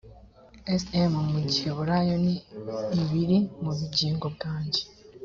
sm mu giheburayo ni ibiri mu bugingo bwanjye